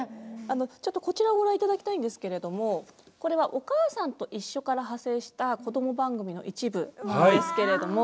ちょっとこちらをご覧いただきたいんですけれどもこれは「おかあさんといっしょ」から派生したこども番組の一部なんですけれども。